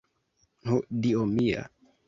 Ho dio mia!